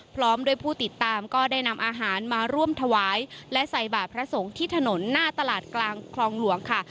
พร้อมด้วยผู้ติดตามก็ได้นำอาหารมาร่วมถวายและใส่บาทพระสงฆ์ที่ถนนหน้าตลาดกลางคลองหลวงค่ะ